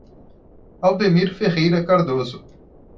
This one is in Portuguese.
Aldemir Ferreira Cardoso